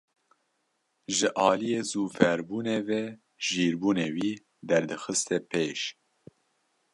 Ji aliyê zû fêrbûnê ve jîrbûnê wî derdixiste pêş.